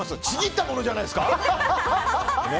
ちぎったものじゃないですか？